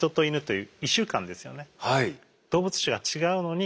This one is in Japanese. はい。